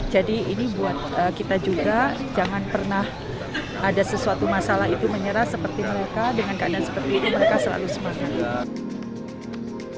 jadi ini buat kita juga jangan pernah ada sesuatu masalah itu menyerah seperti mereka dengan keadaan seperti itu mereka selalu semangat